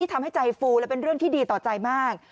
ทำให้ใจฟูและเป็นเรื่องที่ดีต่อใจมาก